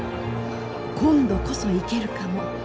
今度こそ行けるかも。